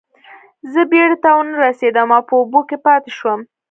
زه بیړۍ ته ونه رسیدم او په اوبو کې پاتې شوم.